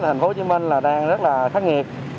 thành phố hồ chí minh là đang rất là khắc nghiệt